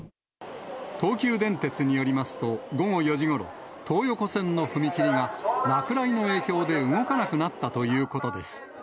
東急電鉄によりますと、午後４時ごろ、東横線の踏切が落雷の影響で動かなくなったということです。